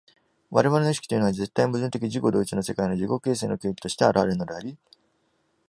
我々の意識というのは絶対矛盾的自己同一の世界の自己形成の契機として現れるのであり、